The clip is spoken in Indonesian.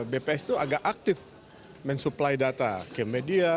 bps itu agak aktif mensuplai data ke media